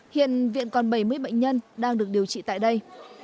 hiện viện còn bảy mươi bệnh nhân đang được điều trị tại đây